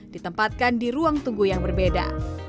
ditempatkan di ruang tunggu yang berbeda